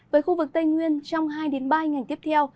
với khu vực tây nguyên trong hai ba ngày tiếp theo